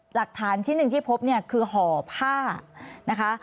หลักฐานชิ้นหนึ่งที่พบเนี่ยคือห่อผ้านะคะ